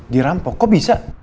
dirampok kok bisa